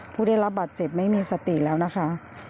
ผู้ได้รับบาดเจ็บไม่มีสติแล้วนะคะ